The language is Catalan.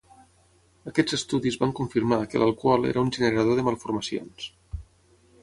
Aquests estudis van confirmar que l'alcohol era un generador de malformacions.